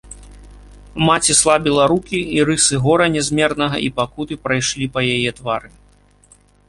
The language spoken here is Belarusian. Маці слабіла рукі, і рысы гора нязмернага і пакуты прайшлі па яе твары.